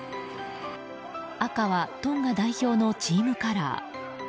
赤はトンガ代表のチームカラー。